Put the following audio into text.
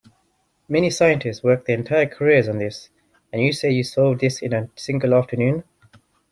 Many scientists work their entire careers on this, and you say you have solved this in a single afternoon?